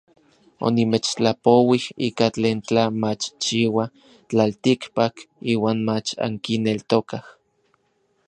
Onimechtlapouij ika tlen tla machchiua tlaltikpak iuan mach ankineltokaj.